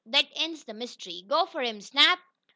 "That ends the mystery. Go for him, Snap!"